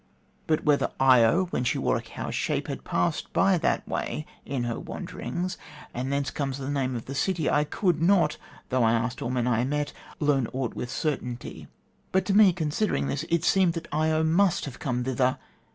But whether Io, when she wore a cow's shape, had passed by that way in her wanderings, and thence comes the name of that city, I could not (though I asked all men I met) learn aught with certainty. But to me, considering this, it seemed that Io must have come thither.